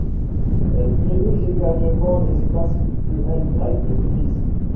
Elle dirige également l'Espace culturel grec de Tunis.